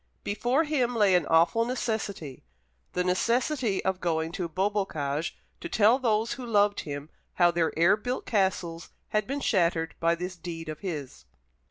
Before him lay an awful necessity the necessity of going to Beaubocage to tell those who loved him how their air built castles had been shattered by this deed of his.